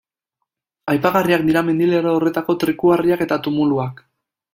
Aipagarriak dira mendilerro horretako trikuharriak eta tumuluak.